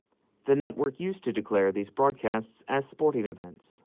The network used to declare these broadcasts as sporting events.